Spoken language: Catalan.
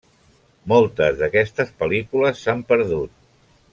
Moltes d'aquestes pel·lícules s'han perdut.